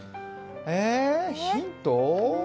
えー、ヒント？